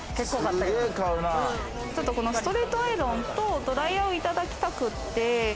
ちょっとストレートアイロンとドライヤーをいただきたくて。